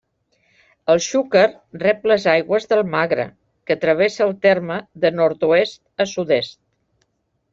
El Xúquer rep les aigües del Magre, que travessa el terme de nord-oest a sud-est.